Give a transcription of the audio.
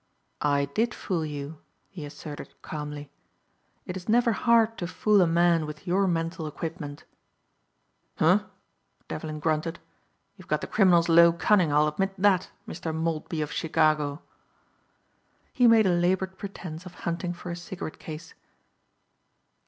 "I did fool you," he asserted calmly. "It is never hard to fool a man with your mental equipment." "Huh," Devlin grunted, "you've got the criminal's low cunning, I'll admit that, Mr. Maltby of Chicago." He made a labored pretence of hunting for his cigarette case.